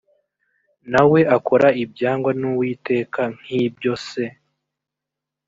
na we akora ibyangwa n uwiteka nk ibyo se